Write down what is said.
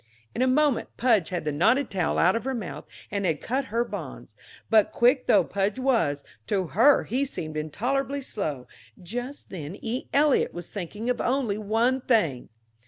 In a moment Pudge had the knotted towel out of her mouth, and had cut her bonds. But quick though Pudge was, to her he seemed intolerably slow; just then E. Eliot was thinking of only one thing.